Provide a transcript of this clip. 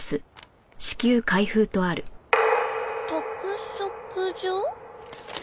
「督促状」？